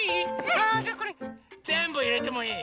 あじゃあこれぜんぶいれてもいい？